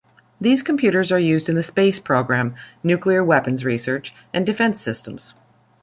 These computers are used in the space program, nuclear weapons research, and defense systems.